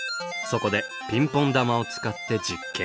そこでピンポン球を使って実験。